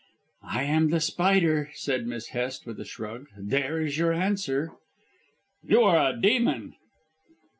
"I am The Spider," said Miss Hest with a shrug. "There is your answer." "You are a demon."